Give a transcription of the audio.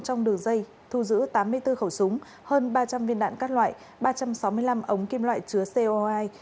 trong đường dây thu giữ tám mươi bốn khẩu súng hơn ba trăm linh viên đạn các loại ba trăm sáu mươi năm ống kim loại chứa co hai